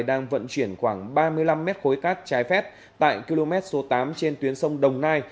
đang vận chuyển khoảng ba mươi năm mét khối cát trái phép tại km số tám trên tuyến sông đồng nai